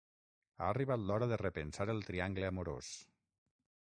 Ha arribat l'hora de repensar el triangle amorós.